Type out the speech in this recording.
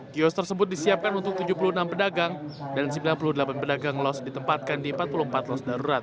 kios tersebut disiapkan untuk tujuh puluh enam pedagang dan sembilan puluh delapan pedagang los ditempatkan di empat puluh empat los darurat